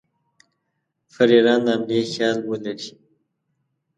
پر ایران د حملې خیال ولري.